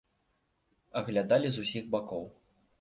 Аглядалі з усіх бакоў.